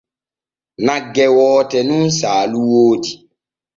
Nagge woote nun saalu woodi.